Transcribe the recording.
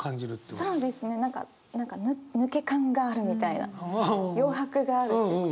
そうですね何か抜け感があるみたいな余白があるっていうこと。